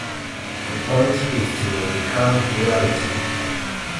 The point is to overcome reality.